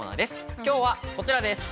今日はこちらです。